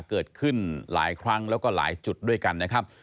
เกิดขึ้นหลายครั้งแล้วก็หลายจุดด้วยกันนะครับ